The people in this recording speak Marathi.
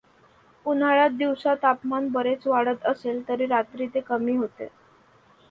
उन्हाळ्यात दिवसा तापमान बरेच वाढत असले तरी रात्री ते कमी होते.